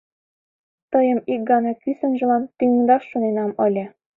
Тыйым ик гана кӱсынжылан тӱҥдаш шоненам ыле.